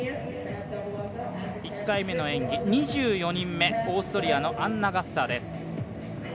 １回目の演技、２４人目オーストラリアのアンナ・ガッサーです。